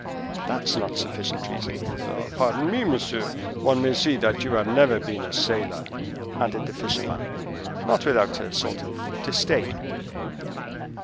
"That is not sufficient reason." "Pardon me, monsieur, one may see that you have never been a sailor," added the fisherman, not without a sort of disdain.